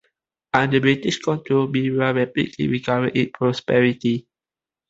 Under British control Berar rapidly recovered its prosperity.